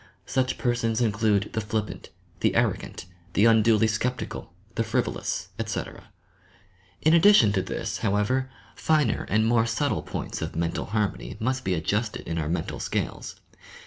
Such persons include the fiippant, the arrogant, the unduly sceptical, the frivolous, etc. In addition to this, how ever, finer and more subtle points of mental harmony must be adjusted in our mental scales.